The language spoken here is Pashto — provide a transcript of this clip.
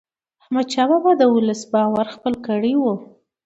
احمدشاه بابا د ولس باور خپل کړی و.